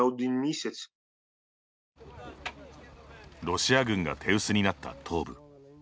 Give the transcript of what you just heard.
ロシア軍が手薄になった東部。